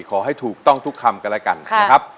ขอให้ถูกต้องทุกคำกันแล้วกันนะครับ